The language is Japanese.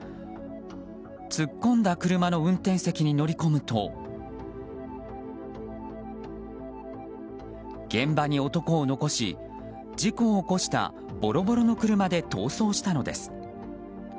突っ込んだ車の運転席に乗り込むと現場に男を残し事故を起こしたボロボロの車で逃走したのです。